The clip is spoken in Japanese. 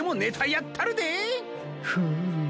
フーム。